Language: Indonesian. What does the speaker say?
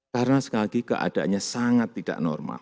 karena sekali lagi keadaannya sangat tidak normal